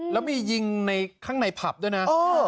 แล้วมียิงในข้างในผับด้วยนะ